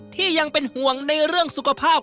ที่ยังเป็นห่วงในเรื่องสุขภาพ